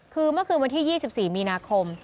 คือเมื่อคืนวันที่๒๔มีนาคม